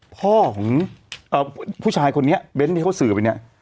พ่อของผู้ชายคนนี้เบ้นที่เขาสื่อไปเนี่ย